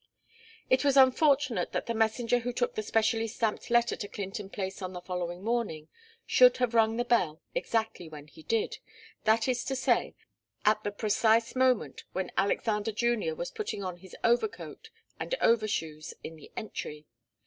It was unfortunate that the messenger who took the specially stamped letter to Clinton Place on the following morning should have rung the bell exactly when he did, that is to say, at the precise moment when Alexander Junior was putting on his overcoat and overshoes in the entry.